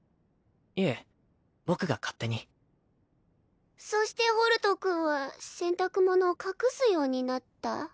いえ僕が勝手にそしてホルト君は洗濯物を隠すようになった？